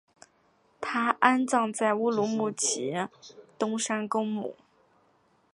他安葬在乌鲁木齐东山公墓。